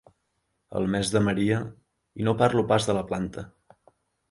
El mes de Maria, i no parlo pas de la planta.